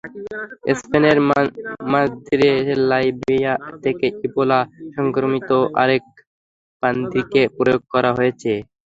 স্পেনের মাদ্রিদে লাইবেরিয়া থেকে ইবোলা সংক্রমিত আরেক পাদ্রিকে প্রয়োগ করা হয়েছে।